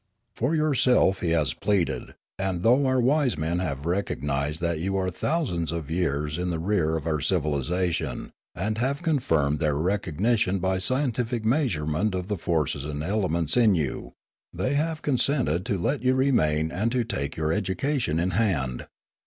"For yourself he has pleaded, and, though our wise men have recognised that you are thousands of years in the rear of our civilisation, and have confirmed their recognition by scientific measurement of the forces and elements in you, they have consented to let you remain and to take your education in hand.